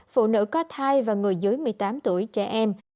phụ nữ có thai và người dưới một mươi tám tuổi trẻ em